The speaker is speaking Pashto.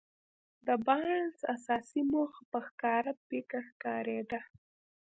د بارنس اساسي موخه په ښکاره پيکه ښکارېده.